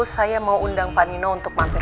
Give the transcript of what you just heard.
saya mau undang panino untuk mampir